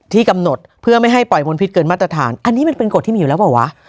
ที่กำหนดเพื่อไม่ให้ปล่อยมลพิษเกินมาตรฐานอันนี้มันเป็นกฎที่มีอยู่แล้วเปล่าวะ